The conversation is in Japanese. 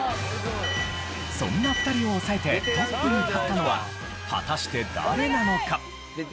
そんな２人を抑えてトップに立ったのは果たして誰なのか？